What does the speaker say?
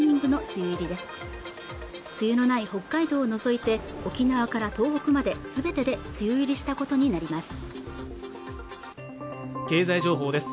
梅雨のない北海道を除いて沖縄から東北まですべてで梅雨入りしたことになります